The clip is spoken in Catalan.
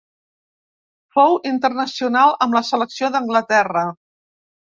Fou internacional amb la selecció d'Anglaterra.